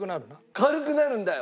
「軽くなるんだよ。